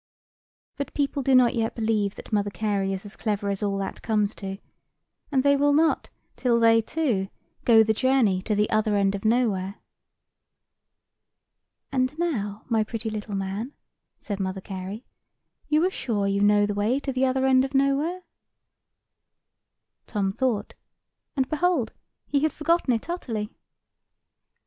But people do not yet believe that Mother Carey is as clever as all that comes to; and they will not till they, too, go the journey to the Other end of Nowhere. "And now, my pretty little man," said Mother Carey, "you are sure you know the way to the Other end of Nowhere?" Tom thought; and behold, he had forgotten it utterly.